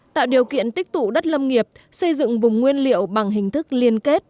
tạo điều kiện tích tụ đất lâm nghiệp xây dựng vùng nguyên liệu bằng hình thức liên kết